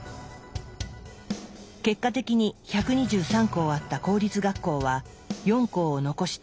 結果的に１２３校あった公立学校は４校を残して全て潰されました。